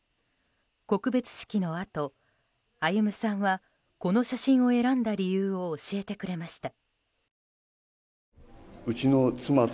告別式のあと歩さんはこの写真を選んだ理由を教えてくれました。